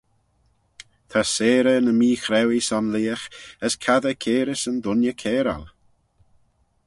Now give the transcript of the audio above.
Ta seyrey ny mee-chrauee son leagh, as cassey cairys yn dooinney cairal!